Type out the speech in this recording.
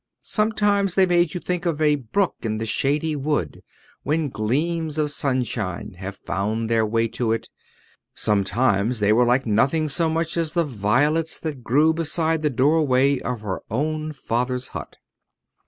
Sometimes they made you think of a brook in the shady wood when gleams of sunshine have found their way to it; sometimes they were like nothing so much as the violets that grew beside the doorway of her own father's hut.